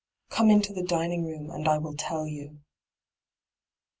' Come into the dining room, and I will tell you.'